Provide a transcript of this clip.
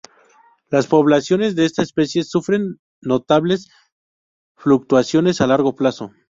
Las poblaciones de esta especie sufren notables fluctuaciones a largo plazo.